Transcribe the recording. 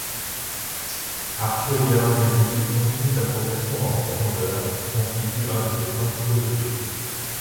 Arthur Guérin-Boëri continue sa progression en profondeur, qui constitue un de ses principaux objectifs.